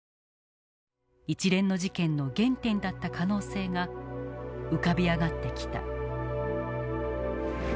一連の事件の原点だった可能性が浮かび上がってきた。